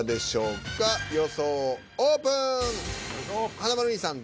華丸兄さん